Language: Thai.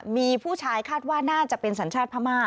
มีผู้ชายคาดว่าน่าจะเป็นสัญชาติพม่า